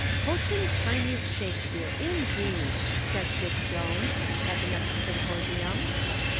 "Cochin Chinese Shakespeare, indeed!" said Dick Jones, at the next symposium.